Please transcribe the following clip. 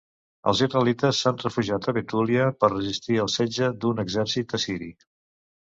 Els israelites s'han refugiat a Betúlia per resistir el setge d'un exèrcit assiri.